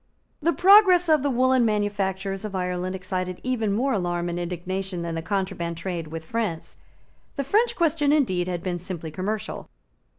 The progress of the woollen manufactures of Ireland excited even more alarm and indignation than the contraband trade with France. The French question indeed had been simply commercial.